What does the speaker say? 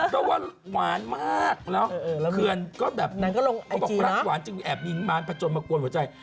เพราะว่าหวานมากแล้วเคือนก็แบบลักหวานจึงแอบยิงบ้านผจญมากลวนหัวใจ